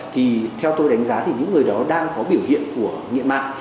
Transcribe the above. thì theo tôi đánh giá thì những người đó đang có biểu hiện của nghiện mạng